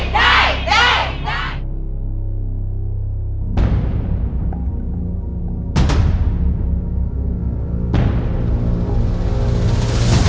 ได้